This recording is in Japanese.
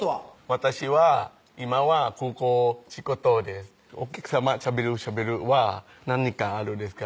私は今は空港仕事ですお客さましゃべるしゃべるは「何かあるですか？」